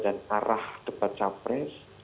dan arah debat capres